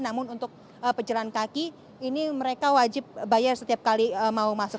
namun untuk pejalan kaki ini mereka wajib bayar setiap kali mau masuk